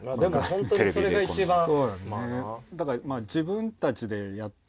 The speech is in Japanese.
でも本当にそれが一番。